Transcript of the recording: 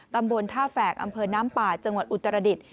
ตำบลท่าแฝกอำเภอน้ำป่าจังหวัดอุตรดิษฐ์